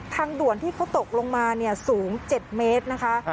ทางด่วนที่เขาตกลงมาสูง๗เมตรนะคะ